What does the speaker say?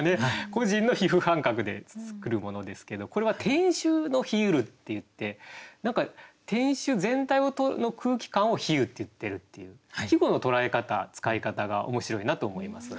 個人の皮膚感覚で作るものですけどこれは「天守の冷ゆる」って言って何か天守全体の空気感を「冷ゆ」って言ってるっていう季語の捉え方使い方が面白いなと思います。